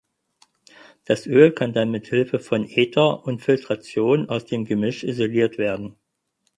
Das Öl kann dann mithilfe von Ether und Filtration aus dem Gemisch isoliert werden.